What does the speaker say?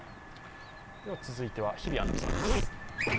続いては、日比アナウンサーです。